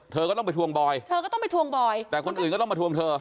เธอก็ต้องไปทวงบอยแต่คนอื่นก็ต้องมาทวงเธอ